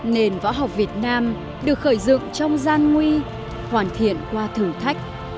nền võ học việt nam được khởi dựng trong gian nguy hoàn thiện qua thử thách